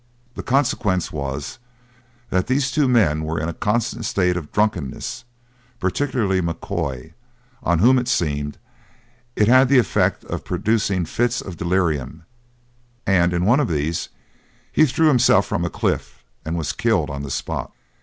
The consequence was, that these two men were in a constant state of drunkenness, particularly M'Koy, on whom, it seems, it had the effect of producing fits of delirium; and in one of these he threw himself from a cliff and was killed on the spot.